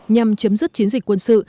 nhằm chấm dứt chiến dịch quân sự